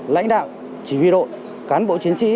lãnh đạo chỉ huy đội cán bộ chiến sĩ